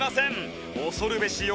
恐るべし横